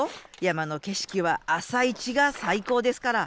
山の景色は朝イチが最高ですから。